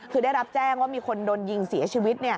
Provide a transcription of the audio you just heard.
คือได้รับแจ้งว่ามีคนโดนยิงเสียชีวิต